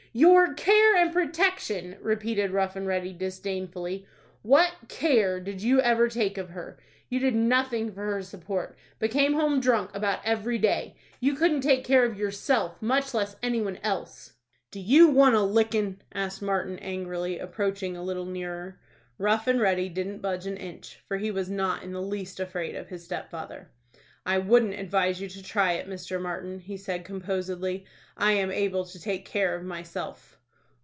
"Your care and protection!" repeated Rough and Ready, disdainfully. "What care did you ever take of her? You did nothing for her support, but came home drunk about every day. You couldn't take care of yourself, much less any one else." "Do you want a licking?" asked Martin, angrily, approaching a little nearer. Rough and Ready didn't budge an inch, for he was not in the least afraid of his stepfather. "I wouldn't advise you to try it, Mr. Martin," he said, composedly. "I am able to take care of myself."